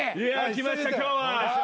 来ました今日は。